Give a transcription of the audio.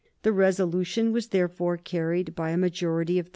The resolution was therefore carried by a majority of 33.